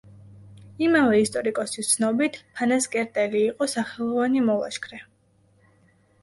იმავე ისტორიკოსის ცნობით, ფანასკერტელი იყო სახელოვანი მოლაშქრე.